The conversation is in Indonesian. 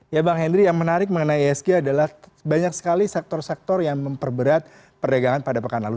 ya bang henry yang menarik mengenai isg adalah banyak sekali sektor sektor yang memperberat perdagangan pada pekan lalu